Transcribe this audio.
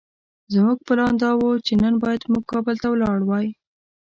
زموږ پلان دا وو چې نن بايد موږ کابل ته ولاړ وای.